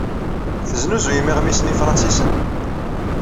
Tesnuzuyem iɣmisen ifṛensisen?